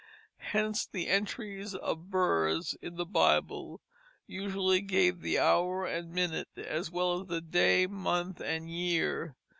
Hence the entries of births in the Bible usually gave the hour and minute, as well as the day, month, and year.